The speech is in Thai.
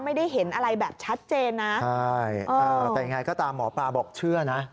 ไม่ได้เห็นอะไรแบบชัดเจนนะใช่เออแต่ยังไงก็ตามหมอปลาบอกเชื่อนะ